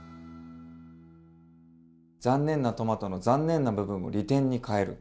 残念なトマトの残念な部分を利点に変える。